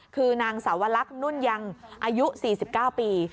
คือนางสาวลักษณ์นุ่นยังอายุ๔๙ปี